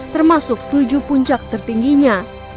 termasuk tujuh puncak tertingginya